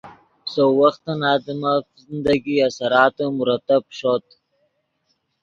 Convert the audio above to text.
سؤ وختن آدمف زندگی اثراتے مرتب ݰوت